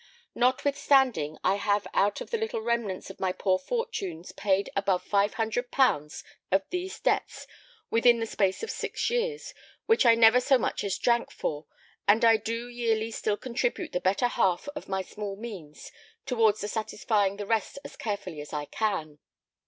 Notwithstanding I have out of the little remnants of my poor fortunes paid above 500_l._ of these debts within the space of 6 years, which I never so much as drank for, and I do yearly still contribute the better half of my small means towards the satisfying the rest as carefully as I can.